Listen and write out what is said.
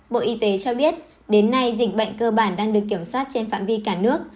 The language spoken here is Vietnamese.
bộ y tế cho biết đến nay dịch bệnh cơ bản đang được kiểm soát trên phạm vi cả nước